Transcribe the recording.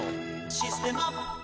「システマ」